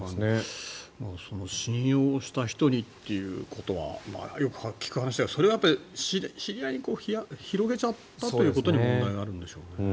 その信用した人にということはよく聞く話だけどそれは知り合いに広げちゃったということに問題があるんでしょうね。